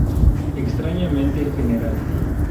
Extrañamente el Gral.